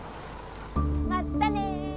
まったね！